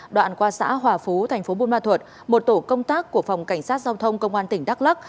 đoạn qua xã hòa phú thành phố buôn ma thuật một tổ công tác của phòng cảnh sát giao thông công an tỉnh đắk lắc